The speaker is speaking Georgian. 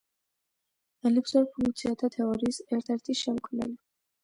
ელიფსურ ფუნქციათა თეორიის ერთ-ერთი შემქმნელი.